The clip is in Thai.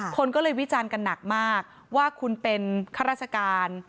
คนก็เลยวิจารณ์กันหนักมากว่าคุณเป็นข้าราชการ